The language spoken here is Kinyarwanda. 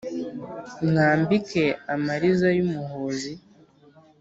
mwambike amariza y’umuhozi